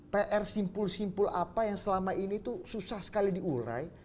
pr simpul simpul apa yang selama ini tuh susah sekali diurai